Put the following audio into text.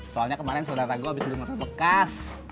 soalnya kemarin saudara gue abis beli motor bekas